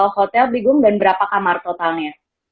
hotel bingung dan berapa kamar totalnya